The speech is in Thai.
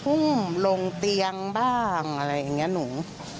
อุ้มลงเตียงบ้างอะไรอย่างนี้หนู